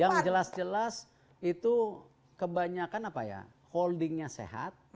yang jelas jelas itu kebanyakan holdingnya sehat